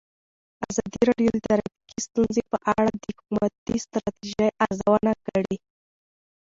ازادي راډیو د ټرافیکي ستونزې په اړه د حکومتي ستراتیژۍ ارزونه کړې.